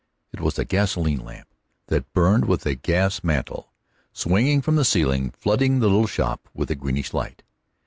It was a gasoline lamp that burned with a gas mantle, swinging from the ceiling, flooding the little shop with a greenish light.